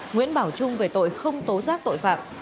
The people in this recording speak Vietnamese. nguyễn bảo trung về tội không tố giác tội phạm